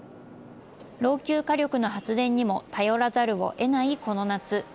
老朽火力の発電にも頼らざるを得ないこの夏。